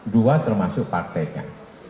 dua termasuk partainya